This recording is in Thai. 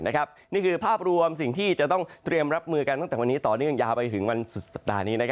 นี่คือภาพรวมสิ่งที่จะต้องเตรียมรับมือกันตั้งแต่วันนี้ต่อเนื่องยาวไปถึงวันสุดสัปดาห์นี้